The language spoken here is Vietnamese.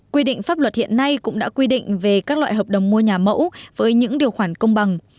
quy định pháp luật hiện nay cũng đã quy định về các loại hợp đồng mua nhà mẫu với những điều khoản công bằng